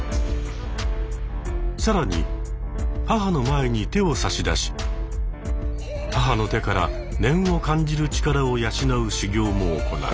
更に母の前に手を差し出し母の手から念を感じる力を養う修行も行う。